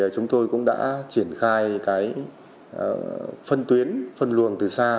chúng tôi cũng đã triển khai phân tuyến phân luồng từ xa